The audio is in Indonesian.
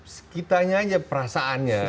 sekitanya aja perasaannya